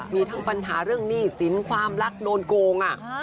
มีทั้งปัญหาเรื่องหนี้สินความรักโดนโกง